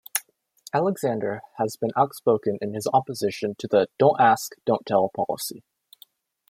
Alexander has been outspoken in his opposition to the "Don't Ask, Don't Tell" policy.